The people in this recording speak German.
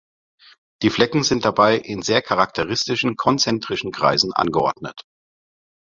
Die Flecken sind dabei in sehr charakteristischen konzentrischen Kreisen angeordnet.